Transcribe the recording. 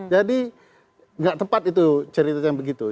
jadi tidak tepat itu cerita yang begitu